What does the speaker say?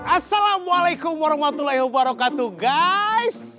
assalamualaikum warahmatullahi wabarakatuh guys